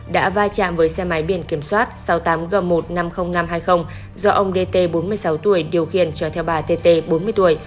đã vai trạm với xe máy biển kiểm soát sáu mươi tám g một trăm năm mươi nghìn năm trăm hai mươi do ông dt bốn mươi sáu tuổi điều khiển cho bà tt bốn mươi tuổi